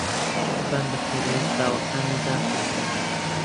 شەعبان بەخێرایی چاوەکانی داخستن.